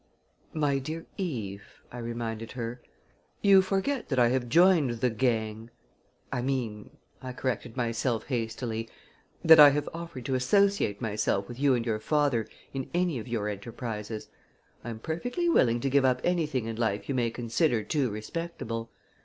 "My dear Eve," I reminded her, "you forget that I have joined the gang I mean," I corrected myself hastily, "that I have offered to associate myself with you and your father in any of your enterprises. I am perfectly willing to give up anything in life you may consider too respectable.